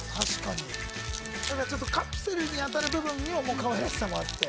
カプセルにあたる部分にもかわいらしさがあって。